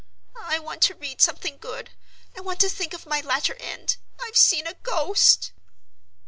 "I want to read something Good. I want to think of my latter end. I've seen a Ghost!"